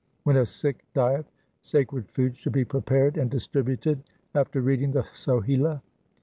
When a Sikh dieth, sacred food should be prepared and distributed after reading the Sohila.